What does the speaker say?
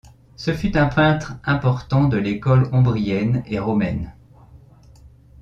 Ce fut un peintre important de l'école ombrienne et romaine.